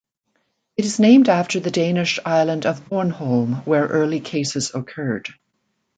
It is named after the Danish island of Bornholm where early cases occurred.